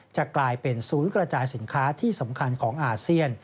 จะกลายเป็นศูนย์กระจายสินค้าที่สำคัญของอาเซียน